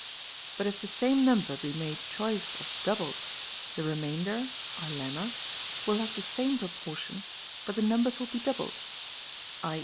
But if the same number be made choice of doubled, the remainder (or leimma) will have the same proportion, but the numbers will be doubled, i.